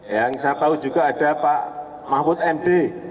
yang saya tahu juga ada pak mahfud md